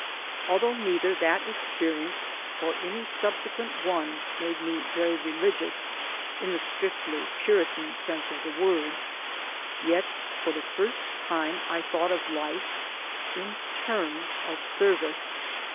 Although neither that experience or any subsequent one made me very religious, in the strictly Puritan sense of the word, yet for the first time I thought of life in terms of service.